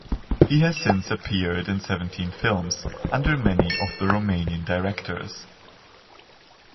He has since appeared in seventeen films, under many of the Romanian directors.